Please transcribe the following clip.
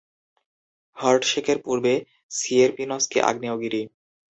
হল্টশেকের পূর্বে সিয়েরপিনস্কি আগ্নেয়গিরি।